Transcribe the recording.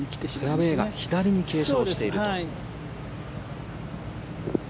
フェアウェーが左に傾斜をしていると。